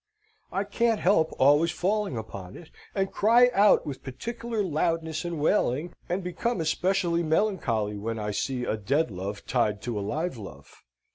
I can't help always falling upon it, and cry out with particular loudness and wailing, and become especially melancholy, when I see a dead love tied to a live love.